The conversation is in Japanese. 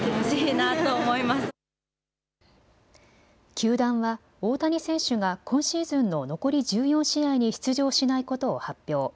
球団は大谷選手が今シーズンの残り１４試合に出場しないことを発表。